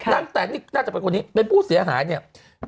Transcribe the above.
แตนนี่น่าจะเป็นคนนี้เป็นผู้เสียหายเนี่ย